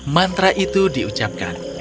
mantra itu diucapkan